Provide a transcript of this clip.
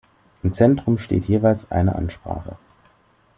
Im Zentrum steht jeweils eine Ansprache.